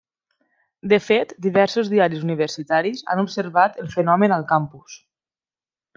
De fet, diversos diaris universitaris han observat el fenomen al campus.